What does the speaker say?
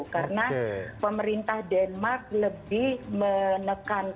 karena pemerintah denmark lebih menekankan proses testing